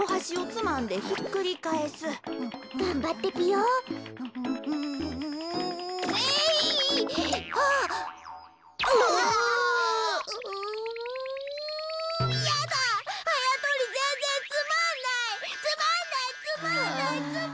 つまんない！